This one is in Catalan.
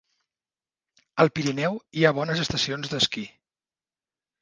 Al Pirineu hi ha bones estacions d'esquí.